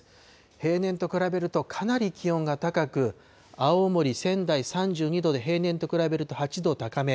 平年と比べるとかなり気温が高く、青森、仙台、３２度で平年と比べると８度高め。